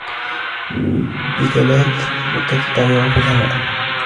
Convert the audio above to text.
بتلاتٌ تتطاير في الهواء.